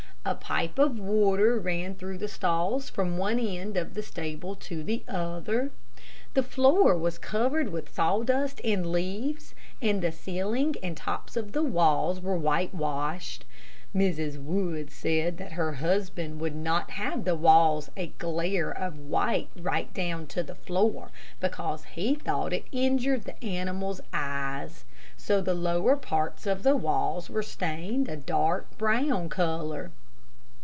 A pipe of water ran through the stalls from one end of the stable to the other. The floor was covered with sawdust and leaves, and the ceiling and tops of the walls were whitewashed. Mrs. Wood said that her husband would not have the walls a glare of white right down to the floor, because he thought it injured the animals' eyes. So the lower parts of the walls were stained a dark, brown color.